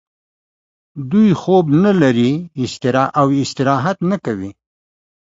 دوی خوب نلري او استراحت نه کوي